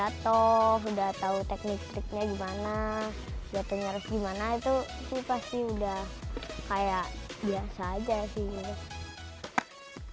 atau udah tahu teknik triknya gimana jatuhnya harus gimana itu sih pasti udah kayak biasa aja sih